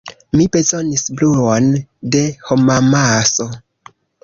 Mi bezonis bruon de homamaso.